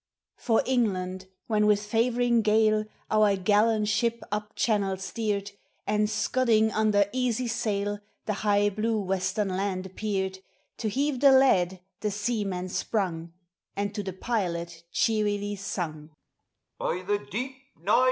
For England when with favoring gale Our gallant ship up channel steered, And, scudding under easy sail, The high blue western land appeared; To heave the lead the sen man sprung, And to the pilot cheerly sung, " By the deep — nine !